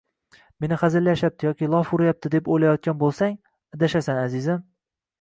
Meni hazillashyapti yoki lof uryapti, deb o`ylayotgan bo`lsang, adashasan, azizim